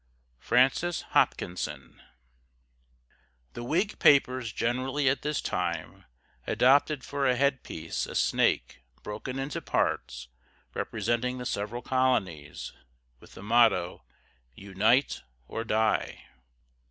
FRANCIS HOPKINSON. The Whig papers generally at this time adopted for a headpiece a snake broken into parts representing the several colonies, with the motto, "Unite or Die."